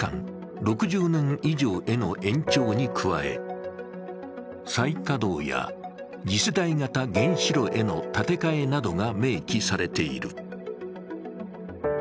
６０年以上への延長に加え再稼働や次世代型原子炉への建て替えなどが明記されている。